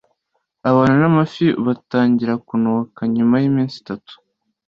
Abantu n'amafi, batangira kunuka nyuma y'iminsi itatu.